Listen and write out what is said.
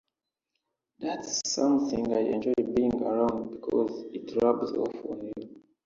That's something I enjoy being around because it rubs off on you.